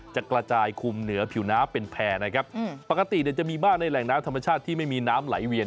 จะกระจายคุมเหนือผิวน้ำเป็นแพร่นะครับปกติเนี่ยจะมีบ้านในแหล่งน้ำธรรมชาติที่ไม่มีน้ำไหลเวียน